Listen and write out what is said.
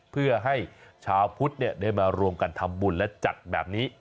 เพื่อให้ชาวพุทธได้มารวมกันทำบุญและจัดแบบนี้